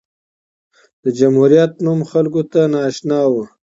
د جمهوریت نوم خلکو ته نااشنا و.